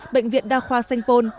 bệnh viện đa khoa xanh pôn